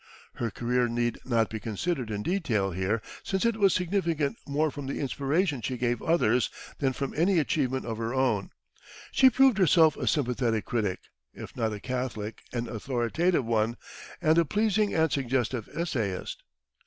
Her career need not be considered in detail here, since it was significant more from the inspiration she gave others than from any achievement of her own. She proved herself a sympathetic critic, if not a catholic and authoritative one, and a pleasing and suggestive essayist.